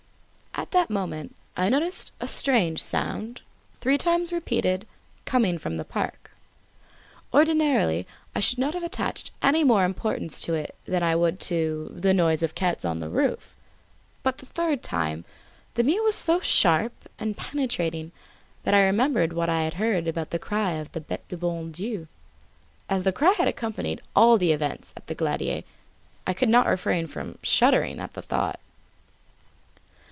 At that moment I noticed a strange sound, three times repeated, coming from the park. Ordinarily I should not have attached any more importance to it than I would to the noise of cats on the roof. But the third time, the mew was so sharp and penetrating that I remembered what I had heard about the cry of the Bete du bon Dieu. As the cry had accompanied all the events at the Glandier, I could not refrain from shuddering at the thought.